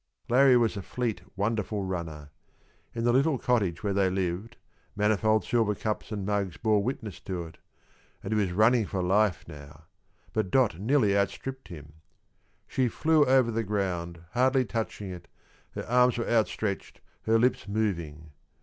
Larrie was a fleet, wonderful runner. In the little cottage where they lived, manifold silver cups and mugs bore witness to it, and he was running for life now, but Dot nearly outstripped him. She flew over the ground, hardly touching it, her arms were outstretched, her lips moving.